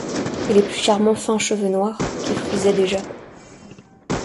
Et les plus charmants fins cheveux noirs, qui frisaient déjà.